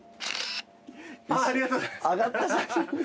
ありがとうございます。